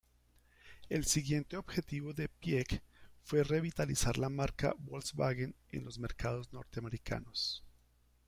El siguiente objetivo de Piëch fue revitalizar la marca Volkswagen en los mercados norteamericanos.